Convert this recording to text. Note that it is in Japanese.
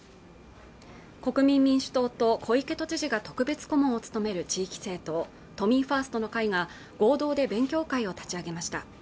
国民民主党と小池都知事が特別顧問を務める地域政党都民ファーストの会が合同で勉強会を立ち上げました